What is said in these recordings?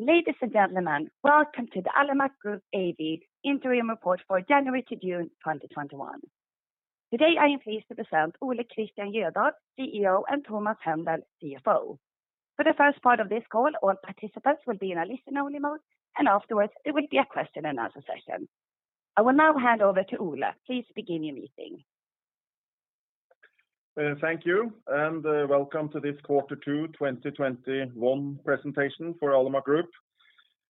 Ladies and gentlemen, welcome to the Alimak Group AB interim report for January to June 2021. Today I am pleased to present Ole Kristian Jødahl, CEO, and Thomas Hendel, CFO. For the first part of this call, all participants will be in a listen-only mode, and afterwards there will be a question and answer session. I will now hand over to Ole. Please begin your meeting. Thank you. Welcome to this Quarter Two 2021 presentation for Alimak Group.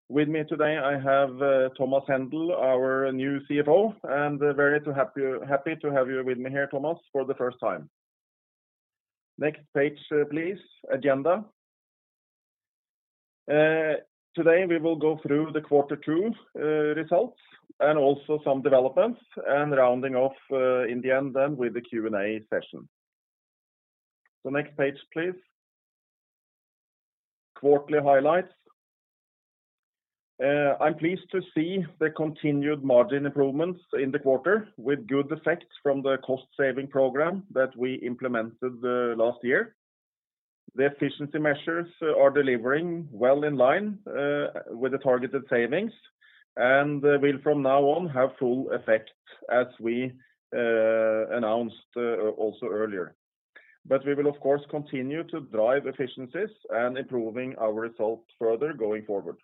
With me today I have Thomas Hendel, our new CFO, and very happy to have you with me here, Thomas, for the first time. Next page, please. Agenda. Today we will go through the Quarter Two results and also some developments, and rounding off in the end then with the Q&A session. Next page, please. Quarterly highlights. I'm pleased to see the continued margin improvements in the quarter, with good effects from the cost-saving program that we implemented last year. The efficiency measures are delivering well in line with the targeted savings, and will from now on have full effect as we announced also earlier. We will, of course, continue to drive efficiencies and improving our results further going forward.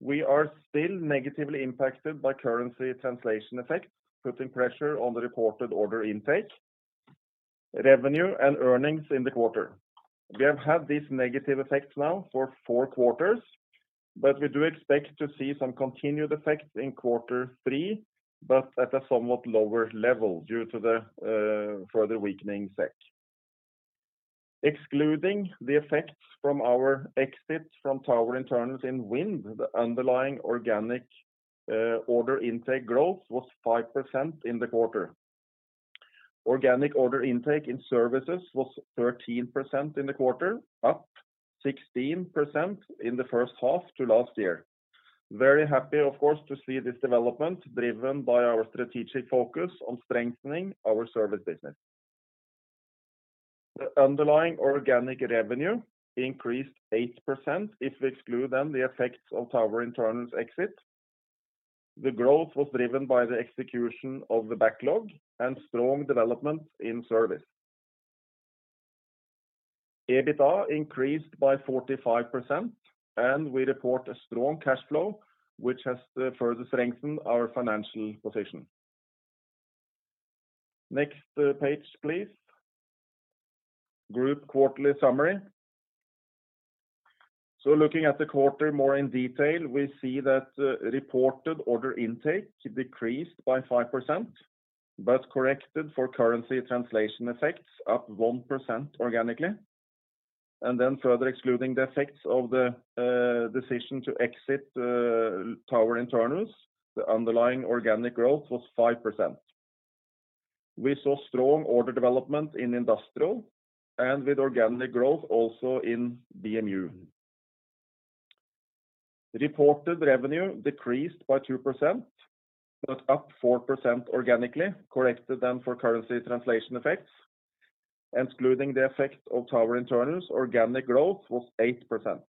We are still negatively impacted by currency translation effects, putting pressure on the reported order intake, revenue, and earnings in the quarter. We have had this negative effect now for four quarters, but we do expect to see some continued effects in quarter three, but at a somewhat lower level due to the further weakening SEK. Excluding the effects from our exits from tower internals in wind, the underlying organic order intake growth was 5% in the quarter. Organic order intake in services was 13% in the quarter, up 16% in the first half to last year. Very happy, of course, to see this development, driven by our strategic focus on strengthening our service business. The underlying organic revenue increased 8%, if we exclude then the effects of tower internals exit. The growth was driven by the execution of the backlog and strong development in service. EBITDA increased by 45%, and we report a strong cash flow, which has further strengthened our financial position. Next page, please. Group quarterly summary. Looking at the quarter more in detail, we see that reported order intake decreased by 5%, but corrected for currency translation effects, up 1% organically. Further excluding the effects of the decision to exit tower internals, the underlying organic growth was 5%. We saw strong order development in industrial and with organic growth also in BMU. Reported revenue decreased by 2%, but up 4% organically, corrected then for currency translation effects. Excluding the effect of tower internals, organic growth was 8%.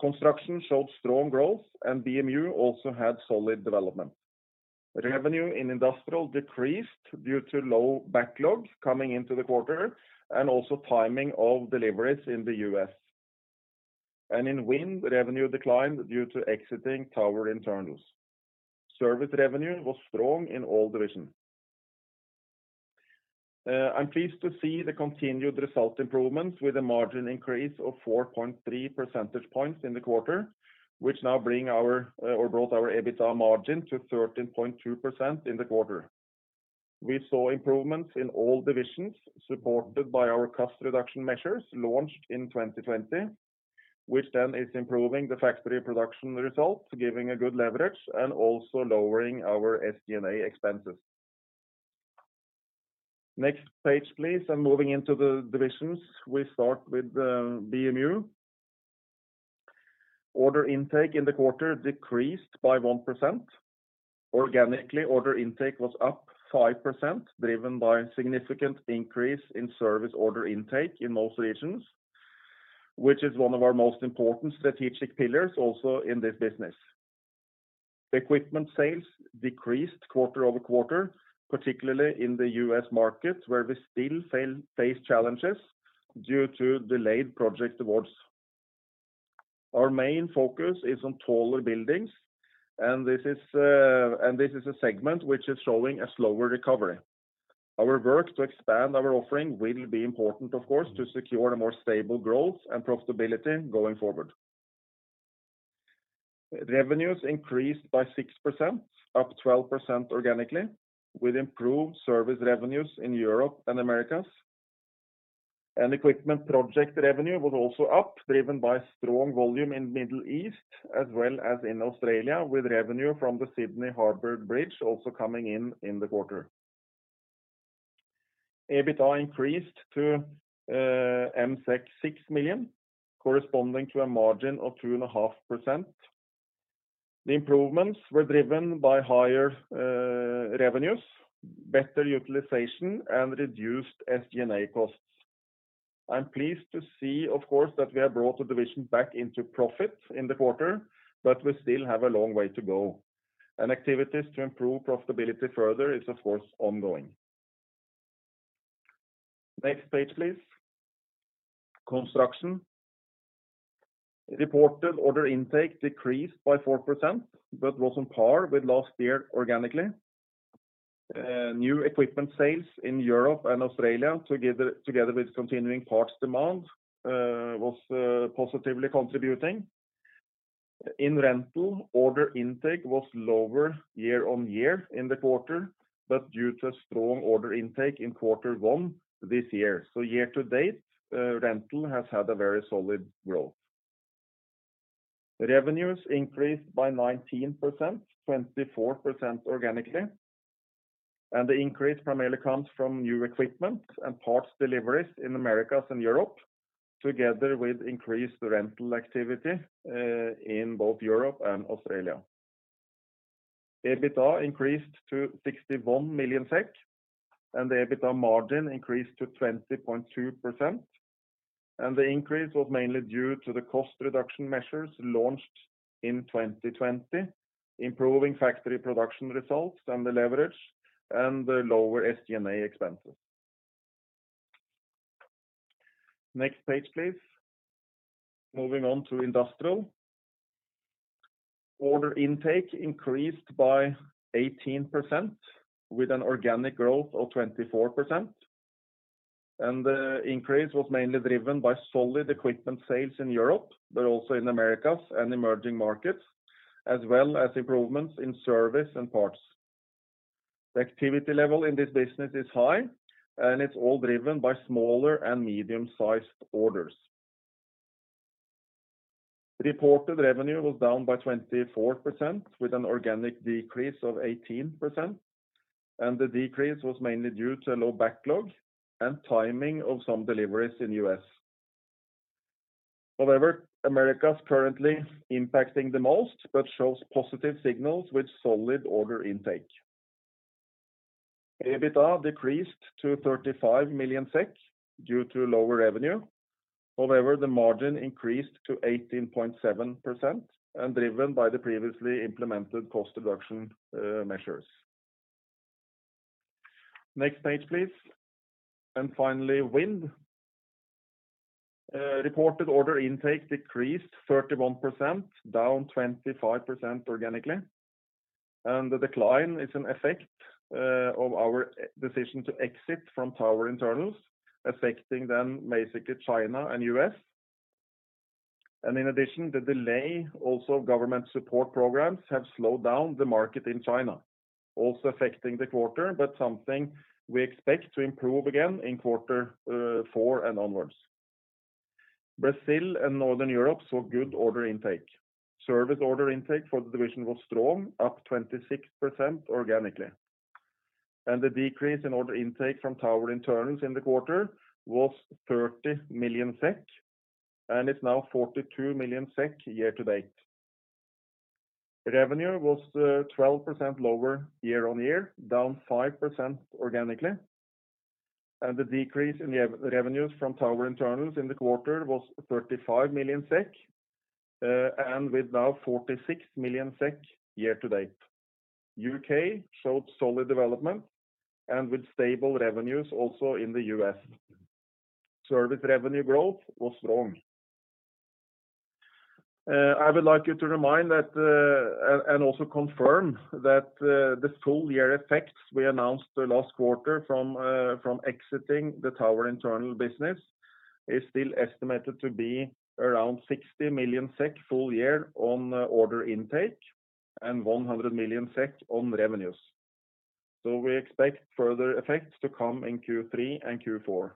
Construction showed strong growth and BMU also had solid development. Revenue in industrial decreased due to low backlogs coming into the quarter and also timing of deliveries in the U.S. In wind, revenue declined due to exiting tower internals. Service revenue was strong in all divisions. I'm pleased to see the continued result improvements with a margin increase of 4.3 percentage points in the quarter, which now brought our EBITDA margin to 13.2% in the quarter. We saw improvements in all divisions, supported by our cost reduction measures launched in 2020, which then is improving the factory production results, giving a good leverage and also lowering our SG&A expenses. Next page, please. I'm moving into the divisions. We start with BMU. Order intake in the quarter decreased by 1%. Organically, order intake was up 5%, driven by a significant increase in service order intake in most regions, which is one of our most important strategic pillars also in this business. Equipment sales decreased quarter-over-quarter, particularly in the U.S. market, where we still face challenges due to delayed project awards. Our main focus is on taller buildings. This is a segment which is showing a slower recovery. Our work to expand our offering will be important, of course, to secure a more stable growth and profitability going forward. Revenues increased by 6%, up 12% organically, with improved service revenues in Europe and Americas. Equipment project revenue was also up, driven by strong volume in Middle East as well as in Australia, with revenue from the Sydney Harbour Bridge also coming in in the quarter. EBITA increased to 6 million, corresponding to a margin of 2.5%. The improvements were driven by higher revenues, better utilization, and reduced SG&A costs. I'm pleased to see, of course, that we have brought the division back into profit in the quarter. We still have a long way to go. Activities to improve profitability further is, of course, ongoing. Next page, please. Construction. Reported order intake decreased by 4%, but was on par with last year organically. New equipment sales in Europe and Australia, together with continuing parts demand, was positively contributing. In rental, order intake was lower year-on-year in the quarter, due to strong order intake in quarter one this year. Year-to-date, rental has had a very solid growth. Revenues increased by 19%, 24% organically, the increase primarily comes from new equipment and parts deliveries in Americas and Europe, together with increased rental activity in both Europe and Australia. EBITA increased to 61 million SEK, the EBITDA margin increased to 20.2%. The increase was mainly due to the cost reduction measures launched in 2020, improving factory production results and the leverage and the lower SG&A expenses. Next page, please. Moving on to industrial. Order intake increased by 18% with an organic growth of 24%. The increase was mainly driven by solid equipment sales in Europe, but also in Americas and emerging markets, as well as improvements in service and parts. The activity level in this business is high, and it's all driven by smaller and medium-sized orders. Reported revenue was down by 24%, with an organic decrease of 18%, and the decrease was mainly due to low backlog and timing of some deliveries in U.S. However, America is currently impacting the most, but shows positive signals with solid order intake. EBITA decreased to 35 million SEK due to lower revenue. However, the margin increased to 18.7% and driven by the previously implemented cost reduction measures. Next page, please. Finally, wind. Reported order intake decreased 31%, down 25% organically. The decline is an effect of our decision to exit from tower internals, affecting then basically China and U.S. In addition, the delay also of government support programs have slowed down the market in China, also affecting the quarter, but something we expect to improve again in quarter four and onwards. Brazil and Northern Europe saw good order intake. Service order intake for the division was strong, up 26% organically. The decrease in order intake from tower internals in the quarter was 30 million SEK, and it's now 42 million SEK year to date. Revenue was 12% lower year-over-year, down 5% organically. The decrease in revenues from tower internals in the quarter was 35 million SEK, and with now 46 million SEK year to date. U.K. showed solid development and with stable revenues also in the U.S. Service revenue growth was strong. I would like you to remind and also confirm that the full year effects we announced last quarter from exiting the tower internals business is still estimated to be around 60 million SEK full year on order intake and 100 million SEK on revenues. We expect further effects to come in Q3 and Q4.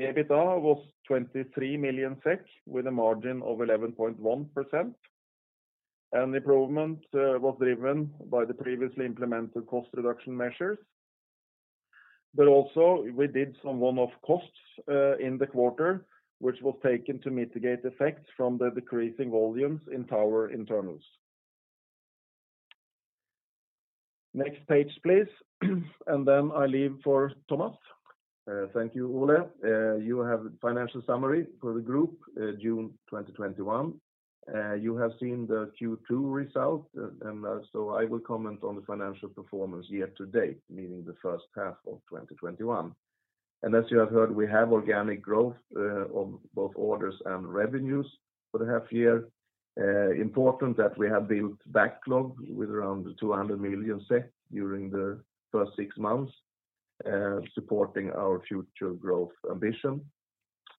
EBITA was 23 million SEK with a margin of 11.1%. Improvement was driven by the previously implemented cost reduction measures. Also, we did some one-off costs in the quarter, which was taken to mitigate effects from the decreasing volumes in tower internals. Next page, please. Then I leave for Thomas. Thank you, Ole. You have financial summary for the group, June 2021. You have seen the Q2 result, I will comment on the financial performance year-to-date, meaning the first half of 2021. As you have heard, we have organic growth on both orders and revenues for the half year. Important that we have built backlog with around 200 million during the first six months, supporting our future growth ambition.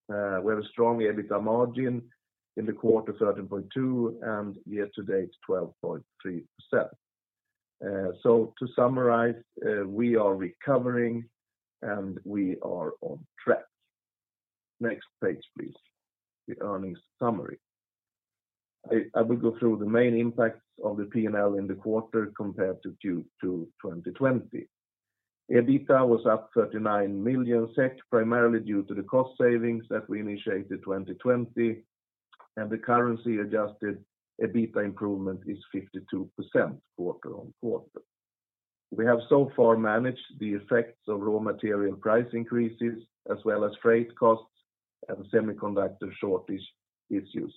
We have a strong EBITDA margin in the quarter, 13.2%, and year-to-date, 12.3%. To summarize, we are recovering, and we are on track. Next page, please. The earnings summary. I will go through the main impacts of the P&L in the quarter compared to Q2 2020. EBITA was up 39 million SEK, primarily due to the cost savings that we initiated 2020, and the currency-adjusted EBITA improvement is 52% quarter-on-quarter. We have so far managed the effects of raw material price increases as well as freight costs and semiconductor shortage issues.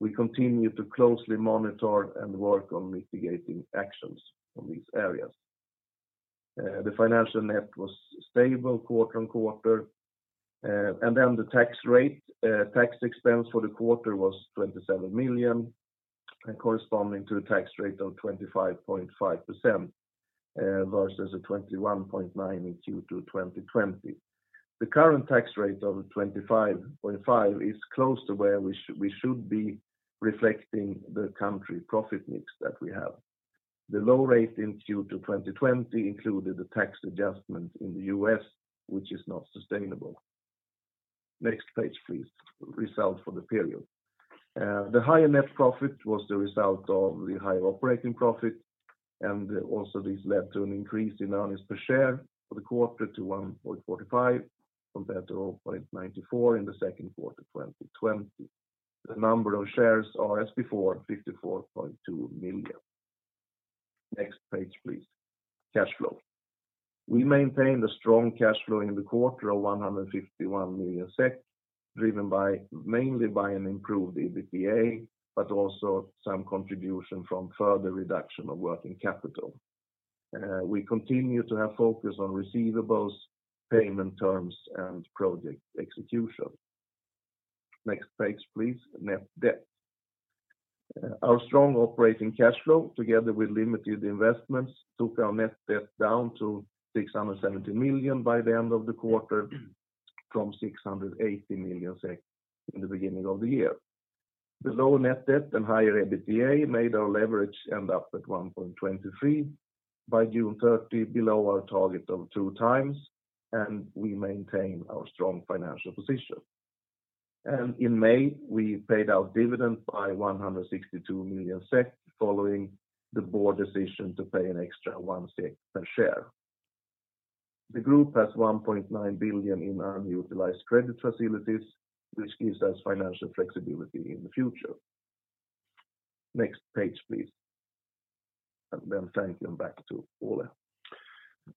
We continue to closely monitor and work on mitigating actions on these areas. The financial net was stable quarter-on-quarter. The tax expense for the quarter was 27 million, corresponding to a tax rate of 25.5% versus a 21.9% in Q2 2020. The current tax rate of 25.5% is close to where we should be, reflecting the country profit mix that we have. The low rate in Q2 2020 included a tax adjustment in the U.S., which is not sustainable. Next page, please. Results for the period. The higher net profit was the result of the higher operating profit, this led to an increase in earnings per share for the quarter to 1.45, compared to 0.94 in the second quarter 2020. The number of shares are, as before, 54.2 million. Next page, please. Cash flow. We maintained a strong cash flow in the quarter of 151 million SEK, driven mainly by an improved EBITA, but also some contribution from further reduction of working capital. We continue to have focus on receivables, payment terms, and project execution. Next page, please. Net debt. Our strong operating cash flow, together with limited investments, took our net debt down to 670 million by the end of the quarter from 680 million in the beginning of the year. The lower net debt and higher EBITDA made our leverage end up at 1.23 by June 30, below our target of 2x, and we maintain our strong financial position. In May, we paid our dividend by 162 million SEK following the board decision to pay an extra 1 SEK per share. The group has 1.9 billion in unutilized credit facilities, which gives us financial flexibility in the future. Next page, please. Thank you, and back to Ole.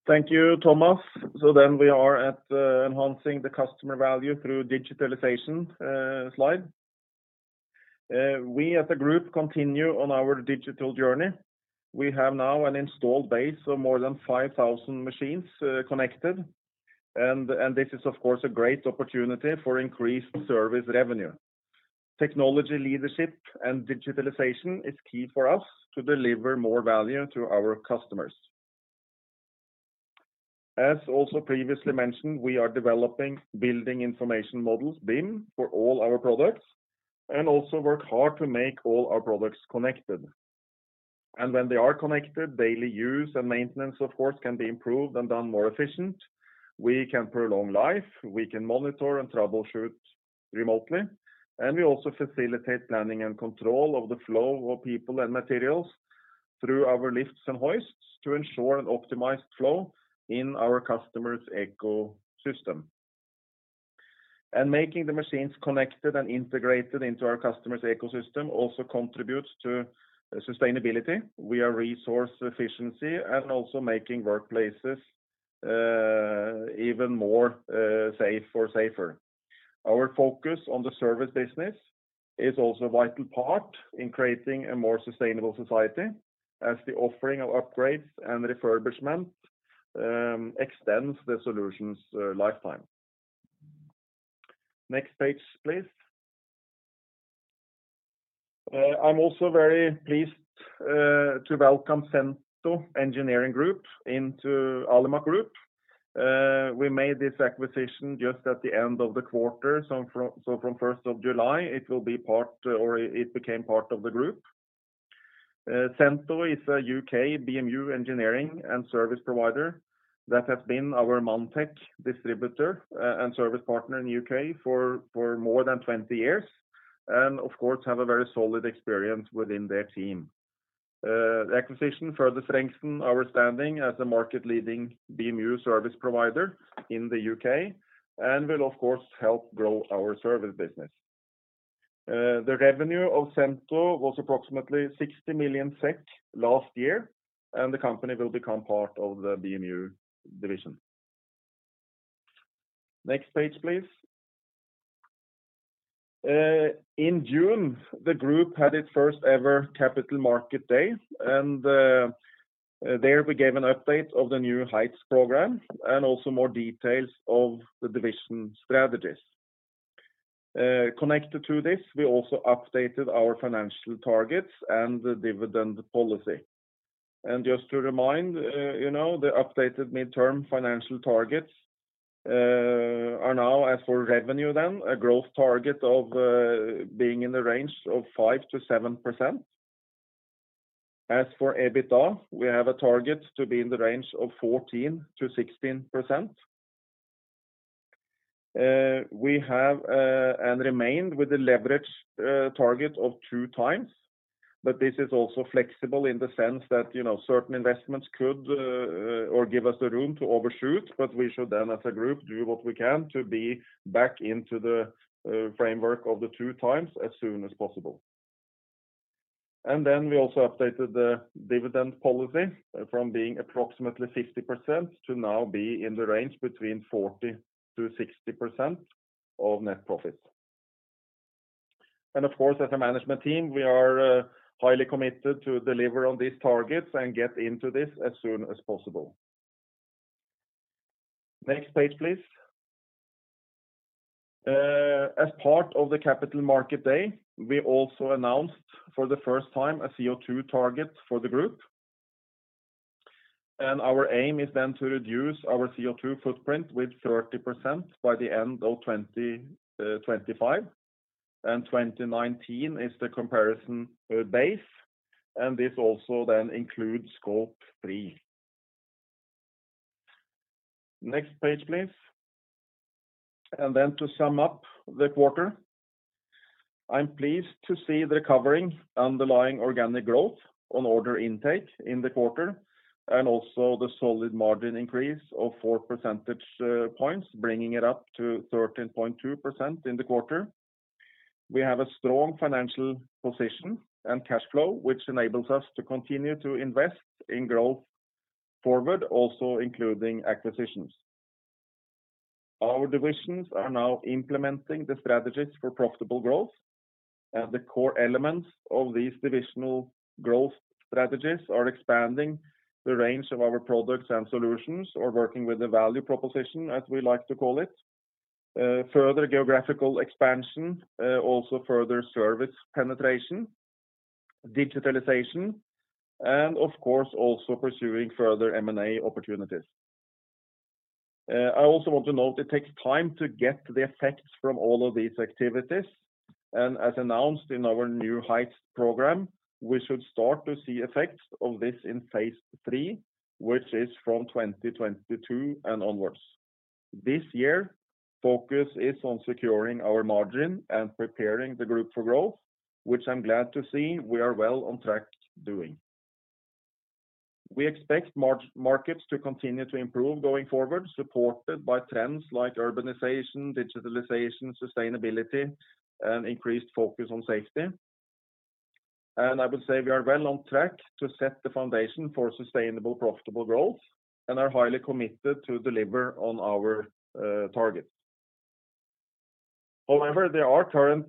Thank you, Thomas. We are at enhancing the customer value through digitalization slide. We as a group continue on our digital journey. We have now an installed base of more than 5,000 machines connected. This is of course a great opportunity for increased service revenue. Technology leadership and digitalization is key for us to deliver more value to our customers. As also previously mentioned, we are developing building information models, BIM, for all our products. Also work hard to make all our products connected. When they are connected, daily use and maintenance of course can be improved and done more efficient. We can prolong life, we can monitor and troubleshoot remotely. We also facilitate planning and control of the flow of people and materials through our lifts and hoists to ensure an optimized flow in our customers' ecosystem. Making the machines connected and integrated into our customers' ecosystem also contributes to sustainability via resource efficiency and also making workplaces even more safe or safer. Our focus on the service business is also a vital part in creating a more sustainable society as the offering of upgrades and refurbishment extends the solution's lifetime. Next page, please. I'm also very pleased to welcome Cento Engineering Group into Alimak Group. We made this acquisition just at the end of the quarter, so from 1st of July, it became part of the group. Cento is a U.K. BMU engineering and service provider that has been our Manntech distributor and service partner in the U.K. for more than 20 years, and of course have a very solid experience within their team. The acquisition further strengthened our standing as a market leading BMU service provider in the U.K. and will of course help grow our service business. The revenue of Cento was approximately 60 million SEK last year, the company will become part of the BMU division. Next page, please. In June, the group had its first ever Capital Markets Day, there we gave an update of the New Heights program also more details of the division strategies. Connected to this, we also updated our financial targets and the dividend policy. Just to remind, the updated midterm financial targets are now, as for revenue then, a growth target of being in the range of 5%-7%. As for EBITA, we have a target to be in the range of 14%-16%. We have and remained with the leverage target of 2x, but this is also flexible in the sense that certain investments could or give us the room to overshoot, but we should then, as a group, do what we can to be back into the framework of the 2x as soon as possible. We also updated the dividend policy from being approximately 50% to now be in the range between 40%-60% of net profits. As a management team, we are highly committed to deliver on these targets and get into this as soon as possible. Next page, please. As part of the Capital Markets Day, we also announced for the first time a CO2 target for the group. Our aim is to reduce our CO2 footprint with 30% by the end of 2025, 2019 is the comparison base, this also includes Scope 3. Next page, please. To sum up the quarter, I'm pleased to see the recovering underlying organic growth on order intake in the quarter also the solid margin increase of four percentage points, bringing it up to 13.2% in the quarter. We have a strong financial position and cash flow, which enables us to continue to invest in growth forward, also including acquisitions. Our divisions are now implementing the strategies for profitable growth. The core elements of these divisional growth strategies are expanding the range of our products and solutions or working with the value proposition, as we like to call it, further geographical expansion, also further service penetration, digitalization, and of course, also pursuing further M&A opportunities. I also want to note it takes time to get the effects from all of these activities. As announced in our New Heights program, we should start to see effects of this in phase three, which is from 2022 and onwards. This year, focus is on securing our margin and preparing the group for growth, which I am glad to see we are well on track doing. We expect markets to continue to improve going forward, supported by trends like urbanization, digitalization, sustainability, and increased focus on safety. I would say we are well on track to set the foundation for sustainable, profitable growth and are highly committed to deliver on our targets. However, there are current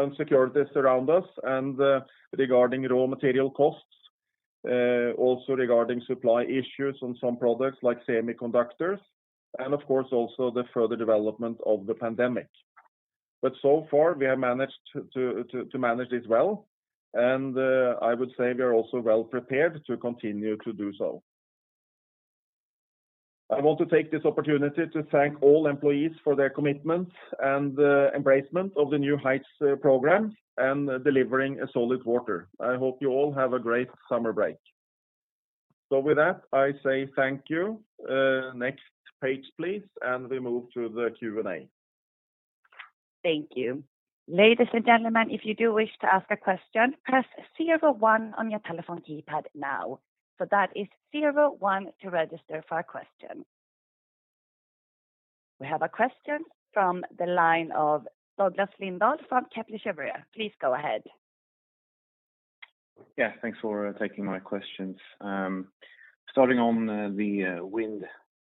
insecurities around us and regarding raw material costs, also regarding supply issues on some products like semiconductors, and of course also the further development of the pandemic. So far, we have managed to manage this well, and I would say we are also well prepared to continue to do so. I want to take this opportunity to thank all employees for their commitment and embracement of the New Heights program and delivering a solid quarter. I hope you all have a great summer break. With that, I say thank you. Next page, please, and we move to the Q&A. Thank you. Ladies and gentlemen, if you do wish to ask a question, press 01 on your telephone keypad now. That is 01 to register for a question. We have a question from the line of Douglas Lindahl from Kepler Cheuvreux. Please go ahead. Yeah, thanks for taking my questions. Starting on the wind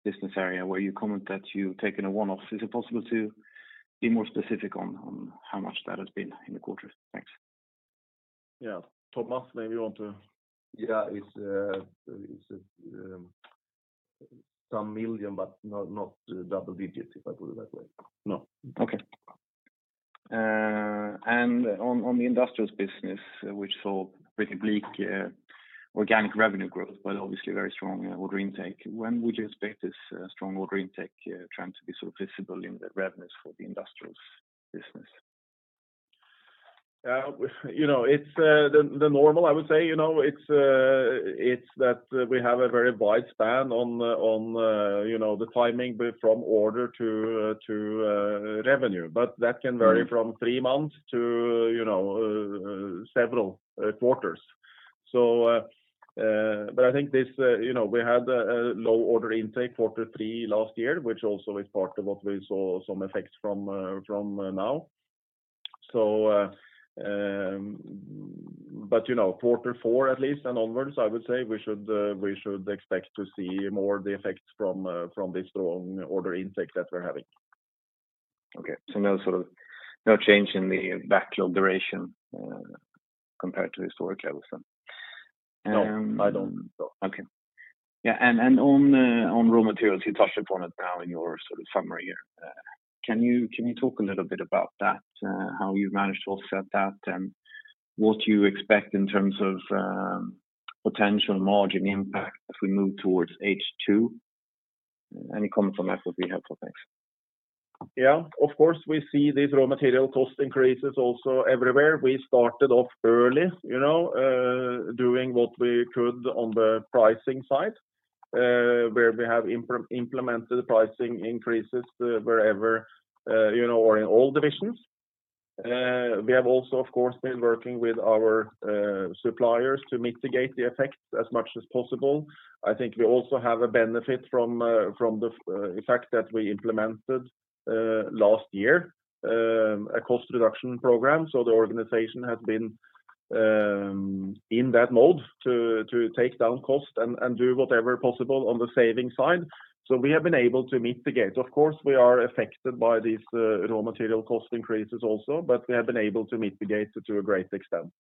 business area where you comment that you've taken a one-off. Is it possible to be more specific on how much that has been in the quarter? Thanks. Yeah. Thomas, maybe you want to. Yeah. It's some million, but not double digits, if I put it that way. No. Okay. On the industrials business, which saw pretty bleak organic revenue growth, but obviously very strong order intake, when would you expect this strong order intake trend to be visible in the revenues for the industrials business? It's the normal, I would say. It's that we have a very wide span on the timing from order to revenue. That can vary from three months to several quarters. I think we had a low order intake quarter three last year, which also is part of what we saw some effects from now. Quarter four at least and onwards, I would say we should expect to see more the effects from this strong order intake that we're having. Okay. No change in the backlog duration compared to historically, I would say? No, I don't think so. Okay. Yeah, on raw materials, you touched upon it now in your summary here. Can you talk a little bit about that how you've managed to offset that and what you expect in terms of potential margin impact as we move towards H2? Any comment from that would be helpful. Thanks. Of course, we see these raw material cost increases also everywhere. We started off early doing what we could on the pricing side, where we have implemented pricing increases in all divisions. We have also, of course, been working with our suppliers to mitigate the effects as much as possible. I think we also have a benefit from the fact that we implemented, last year, a cost reduction program. The organization has been in that mode to take down cost and do whatever possible on the saving side. We have been able to mitigate. Of course, we are affected by these raw material cost increases also, but we have been able to mitigate to a great extent.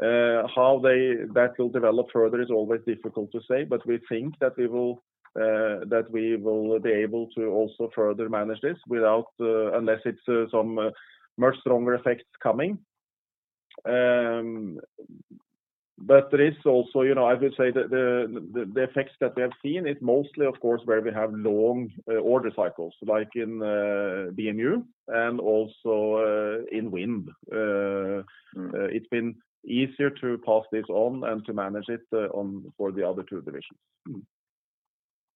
How that will develop further is always difficult to say, but we think that we will be able to also further manage this unless it's some much stronger effects coming. I would say that the effects that we have seen is mostly, of course, where we have long order cycles, like in BMU and also in Wind. It's been easier to pass this on and to manage it for the other two divisions.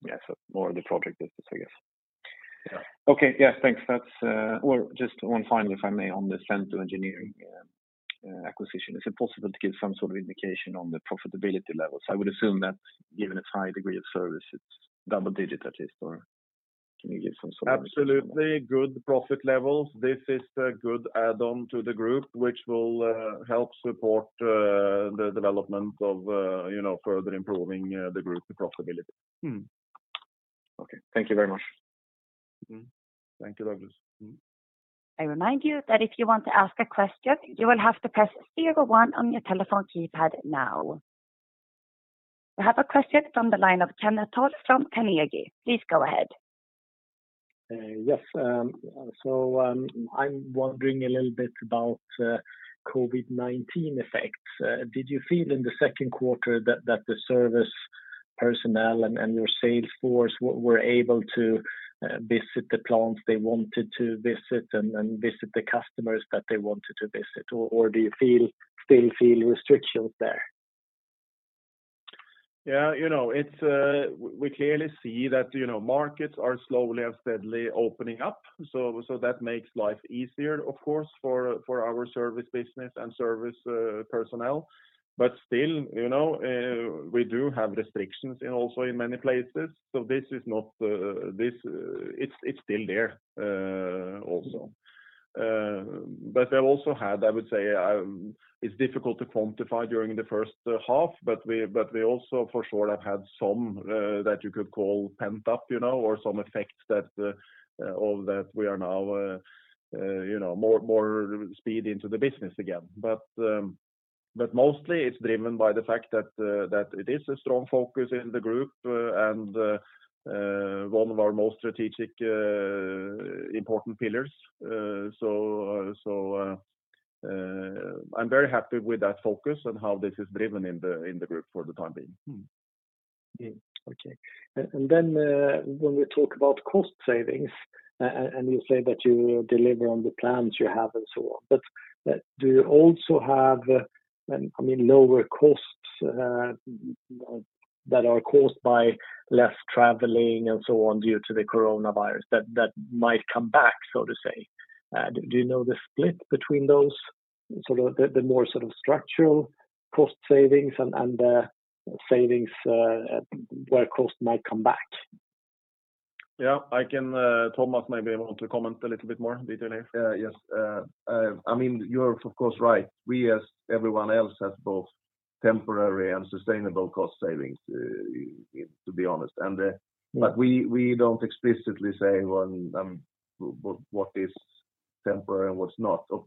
Yes. More of the project business, I guess. Yeah. Okay. Yeah. Thanks. Just one final, if I may, on the Cento Engineering acquisition. Is it possible to give some sort of indication on the profitability levels? I would assume that given its high degree of service, it's double digit, at least. Absolutely good profit levels. This is a good add-on to the group, which will help support the development of further improving the group's profitability. Okay. Thank you very much. Thank you, Douglas. I remind you that if you want to ask a question, you will have to press 01 on your telephone keypad now. We have a question from the line of Kenneth Johansson from Carnegie. Please go ahead. Yes. I'm wondering a little bit about COVID-19 effects. Did you feel in the second quarter that the service personnel and your sales force were able to visit the plants they wanted to visit and visit the customers that they wanted to visit? Or do you still feel restrictions there? We clearly see that markets are slowly and steadily opening up. That makes life easier, of course, for our service business and service personnel. Still, we do have restrictions also in many places. It's still there also. It's difficult to quantify during the first half, we also, for sure, have had some that you could call pent up or some effects that we are now more speed into the business again. Mostly it's driven by the fact that it is a strong focus in the group and one of our most strategic important pillars. I'm very happy with that focus and how this is driven in the group for the time being. Okay. When we talk about cost savings, and you say that you deliver on the plans you have and so on, but do you also have lower costs that are caused by less traveling and so on due to the Coronavirus that might come back, so to say? Do you know the split between those, the more structural cost savings and the savings where cost might come back? Thomas may be able to comment a little bit more detail here. Yes. You're, of course, right. We, as everyone else, has both temporary and sustainable cost savings, to be honest. We don't explicitly say what is temporary and what's not. Of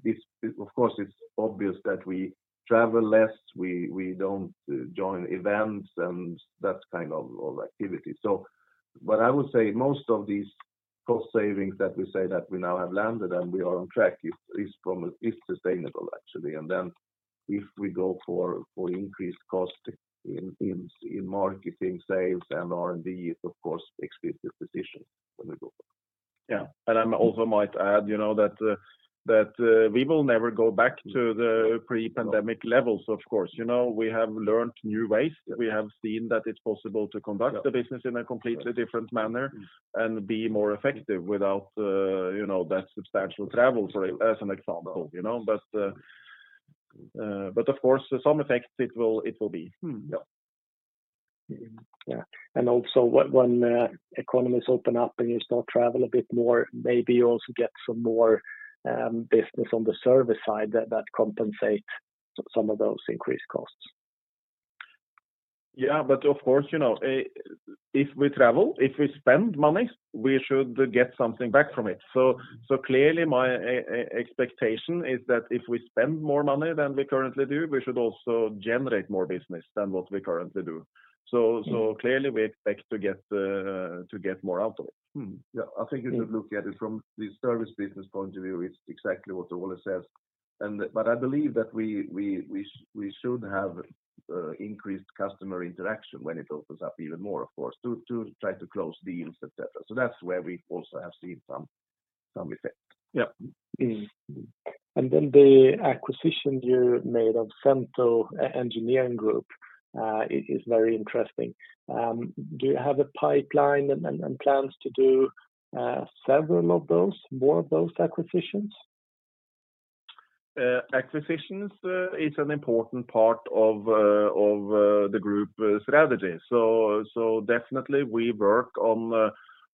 course, it's obvious that we travel less, we don't join events and that kind of activity. I would say most of these cost savings that we say that we now have landed and we are on track is sustainable, actually. Then if we go for increased cost in marketing, sales, and R&D, it's of course explicit decision when we go for it. Yeah. I also might add that we will never go back to the pre-pandemic levels, of course. We have learned new ways. We have seen that it's possible to conduct the business in a completely different manner and be more effective without that substantial travel, as an example. Of course, some effects it will be. Yeah. Yeah. Also when economies open up and you start travel a bit more, maybe you also get some more business on the service side that compensates some of those increased costs. Yeah. Of course, if we travel, if we spend money, we should get something back from it. Clearly my expectation is that if we spend more money than we currently do, we should also generate more business than what we currently do. Clearly we expect to get more out of it. Yeah. I think you should look at it from the service business point of view. It's exactly what Ole says. I believe that we should have increased customer interaction when it opens up even more, of course, to try to close deals, et cetera. That's where we also have seen some effect. Yeah. The acquisition you made of Cento Engineering Group is very interesting. Do you have a pipeline and plans to do several of those, more of those acquisitions? Acquisitions is an important part of the group strategy. Definitely we work on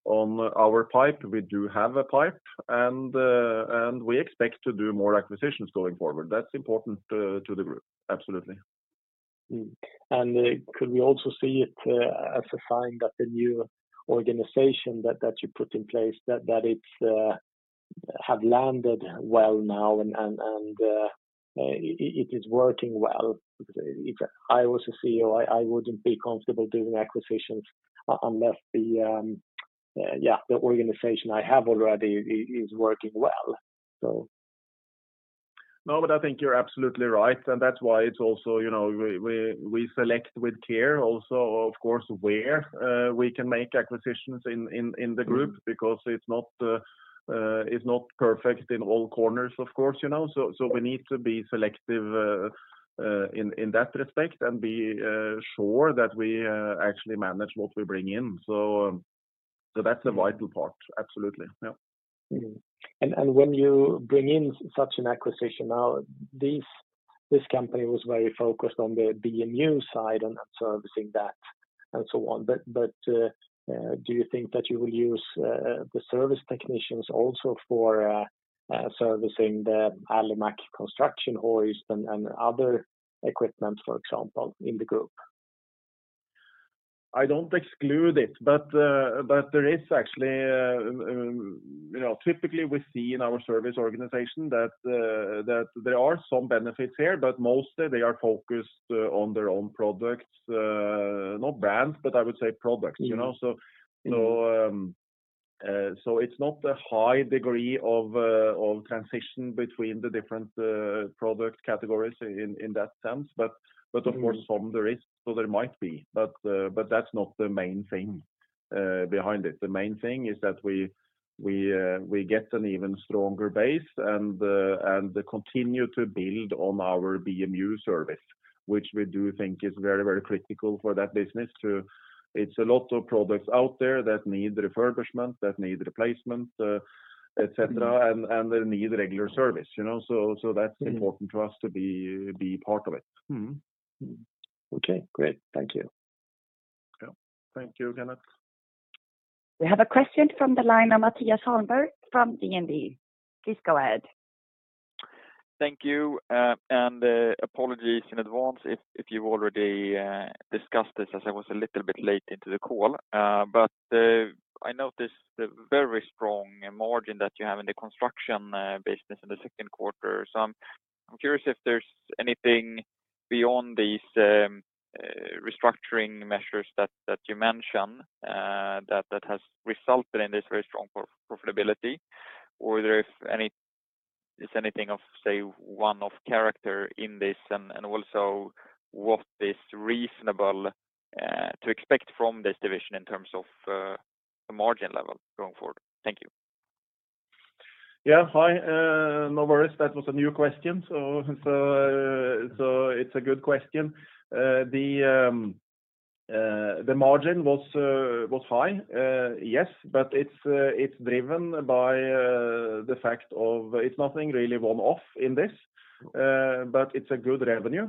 our pipe. We do have a pipe, and we expect to do more acquisitions going forward. That's important to the group. Absolutely. Could we also see it as a sign that the new organization that you put in place, that it's have landed well now and it is working well? If I was a CEO, I wouldn't be comfortable doing acquisitions unless the organization I have already is working well. No, I think you're absolutely right, and that's why it's also we select with care also, of course, where we can make acquisitions in the group because it's not perfect in all corners, of course. We need to be selective in that respect and be sure that we actually manage what we bring in. That's a vital part. Absolutely. Yeah. When you bring in such an acquisition now, this company was very focused on the BMU side and servicing that and so on. Do you think that you will use the service technicians also for servicing the Alimak Construction hoists and other equipment, for example, in the group? I don't exclude it, but there is actually. Typically, we see in our service organization that there are some benefits here, but mostly they are focused on their own products, not brands, but I would say products. It's not a high degree of transition between the different product categories in that sense. Of course, some there is, so there might be, but that's not the main thing behind it. The main thing is that we get an even stronger base and continue to build on our BMU service, which we do think is very critical for that business. It's a lot of products out there that need refurbishment, that need replacement, et cetera, and they need regular service. That's important for us to be part of it. Okay, great. Thank you. Yeah. Thank you, Kenneth. We have a question from the line of Mattias Holmberg from DNB. Please go ahead. Thank you, and apologies in advance if you've already discussed this as I was a little bit late into the call. I noticed the very strong margin that you have in the construction business in the second quarter. I'm curious if there's anything beyond these restructuring measures that you mentioned that has resulted in this very strong profitability, or is anything of, say, one-off character in this, and also what is reasonable to expect from this division in terms of the margin level going forward? Thank you. Yeah. Hi, no worries. That was a new question, so it's a good question. It's driven by the fact of it's nothing really one-off in this, but it's a good revenue.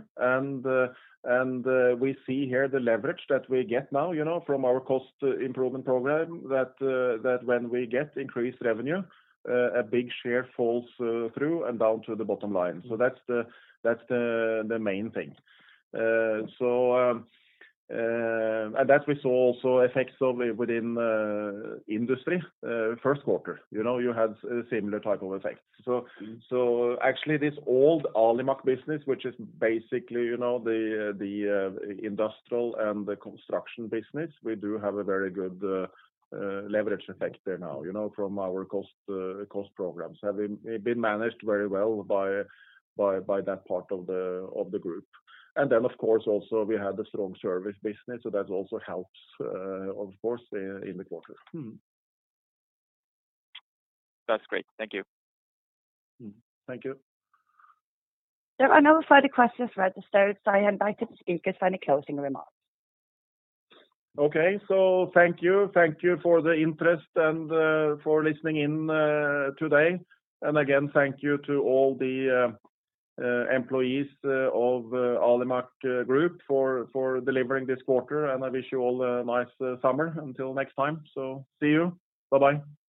We see here the leverage that we get now from our cost improvement program, that when we get increased revenue, a big share falls through and down to the bottom line. That's the main thing. That we saw also effects of within industry, first quarter. You had similar type of effects. Actually this old Alimak business, which is basically the industrial and the construction business, we do have a very good leverage effect there now from our cost programs, have been managed very well by that part of the group. Of course, also we have the strong service business, so that also helps, of course, in the quarter. That's great. Thank you. Thank you. There are no further questions registered, so I invite the speakers for any closing remarks. Okay. Thank you. Thank you for the interest and for listening in today. Again, thank you to all the employees of Alimak Group for delivering this quarter, and I wish you all a nice summer until next time. See yo Bye-bye.